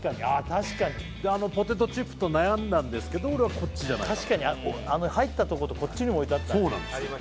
確かにであのポテトチップと悩んだんですけど俺はこっちじゃないかと確かに入ったとことこっちにも置いてあったそうなんですよ